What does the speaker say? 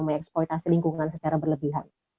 mengeksploitasi lingkungan secara berlebihan